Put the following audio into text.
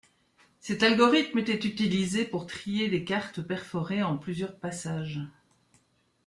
Cet algorithme était utilisé pour trier des cartes perforées en plusieurs passages.